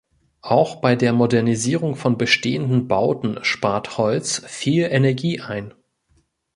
Auch bei der Modernisierung von bestehenden Bauten spart Holz viel Energie ein.